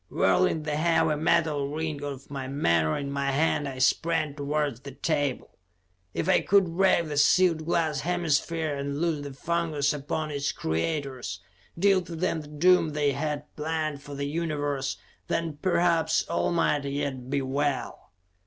Whirling the heavy metal ring of my menore in my hand, I sprang towards the table. If I could break the sealed glass hemisphere, and loose the fungus upon its creators; deal to them the doom they had planned for the universe, then perhaps all might yet be well.